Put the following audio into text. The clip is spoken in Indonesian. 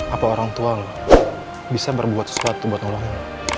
apa orang tua lo bisa berbuat sesuatu buat nolong lo